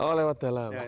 oh lewat dalam